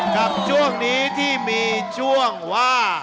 กับช่วงนี้ที่มีช่วงว่า